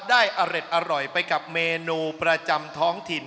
อร่อยไปกับเมนูประจำท้องถิ่น